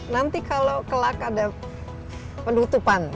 nanti kalau kelak ada penutupan